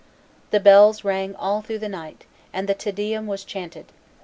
The bells rang all through the night, and the Te Deum was chanted.